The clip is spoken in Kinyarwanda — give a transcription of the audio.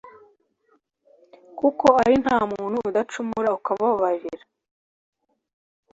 kuko ari nta muntu udacumura ukabababarira,